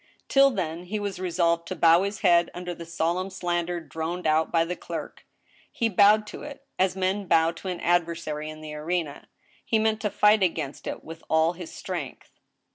Till then he was resolved to bow his head under the solemn slander droned out by the clerk. He bowed to it, as men bow to an adversary in the arena. He meant to fight against it with all his strength.